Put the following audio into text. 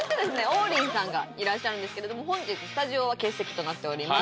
王林さんがいらっしゃるんですけれども本日スタジオは欠席となっております